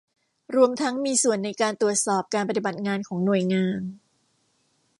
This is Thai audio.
รวมทั้งมีส่วนในการตรวจสอบการปฏิบัติงานของหน่วยงาน